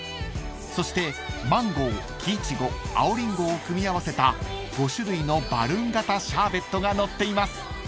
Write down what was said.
［そしてマンゴー木イチゴ青リンゴを組み合わせた５種類のバルーン形シャーベットがのっています］